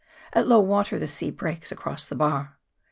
At low water the sea breaks across the bar.